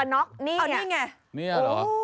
นี่หรือ